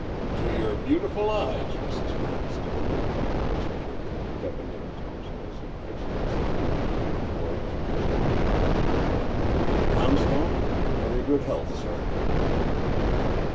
"To your beautiful eyes, Mrs. Poundstone," was Pennington's debonair toast as he fixed Mrs. P.'s green orbs with his own. "Poundstone, your very good health, sir."